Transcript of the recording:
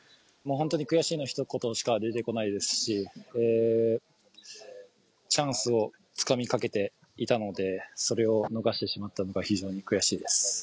悔しいのひと言しか出てこないですし、チャンスをつかみかけていたので、それを逃してしまったのが非常に悔しいです。